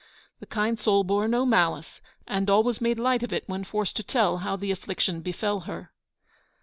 The kind soul bore no malice, and always made light of it when forced to tell how the affliction befell her.